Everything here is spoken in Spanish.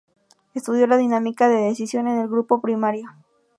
Estudio la dinámica de decisión en el grupo primario.